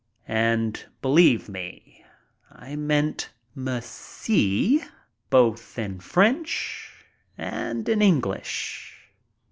And believe me, I meant "Merci" both in French and in English.